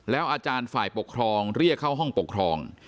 อาจารย์ฝ่ายปกครองเรียกเข้าห้องปกครอง